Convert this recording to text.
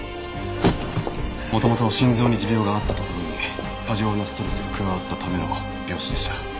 元々心臓に持病があったところに過剰なストレスが加わったための病死でした。